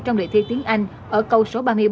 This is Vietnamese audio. trong đề thi tiếng anh ở câu số ba mươi một